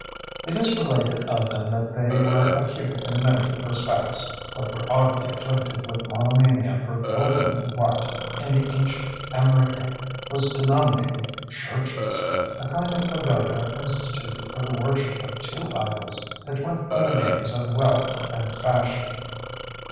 It is related of them that they were acute in many respects, but were oddly afflicted with monomania for building what, in the ancient Amriccan, was denominated "churches"—a kind of pagoda instituted for the worship of two idols that went by the names of Wealth and Fashion.